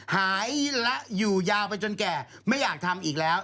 หายและอยู่ยาวไปจนแก่ไม่อยากทำอีกแล้ว